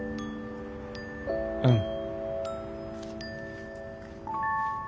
うん。